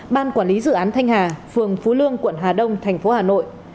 ban quản lý dự án thanh hà phường phú lương quận hà đông tp hà nội